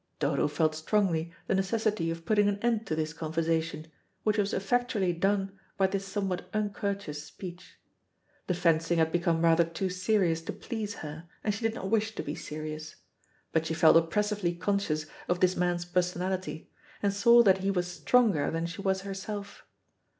Dodo felt strongly the necessity of putting an end to this conversation, which was effectually done by this somewhat uncourteous speech. The fencing had become rather too serious to please her, and she did not wish to be serious. But she felt oppressively conscious of this man's personality, and saw that he was stronger than she was herself.